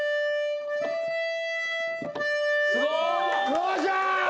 おっしゃ！